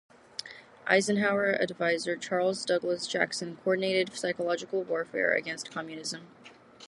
Eisenhower adviser Charles Douglas Jackson coordinated psychological warfare against Communism.